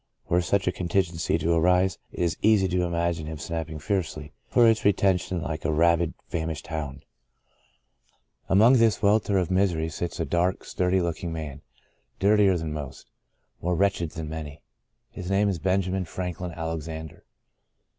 Were such a con tingency to arise, it is easy to imagine him snapping fiercely for its retention like a rabid, famished hound. The Breaking of the Bread 59 Among this welter of misery sits a dark, sturdy looking man, dirtier than most, more wretched than many. His name is Benjamin Franklin Alexander.